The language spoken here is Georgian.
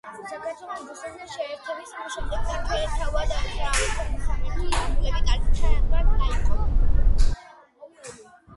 საქართველოს რუსეთთან შეერთების შემდეგ ქართველი თავად-აზნაურთა საერთო მამულები თანდათან გაიყო.